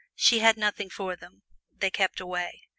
She had nothing for them they kept away.